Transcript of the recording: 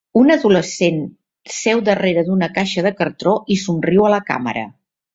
Un adolescent seu darrere d'una caixa de cartró i somriu a la càmera.